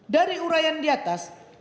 dari urayan di atas